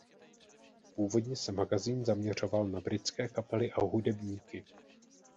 Původně se magazín zaměřoval na britské kapely a hudebníky.